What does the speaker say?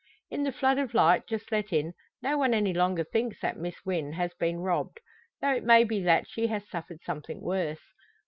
In the flood of light just let in, no one any longer thinks that Miss Wynn has been robbed; though it may be that she has suffered something worse.